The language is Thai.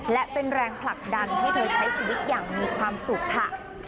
และเป็นแรงผลักดันให้เธอใช้ชีวิตอย่างมีความสุขค่ะ